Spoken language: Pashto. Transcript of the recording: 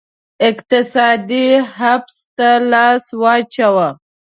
اقتصادي حبس ته لاس واچاوه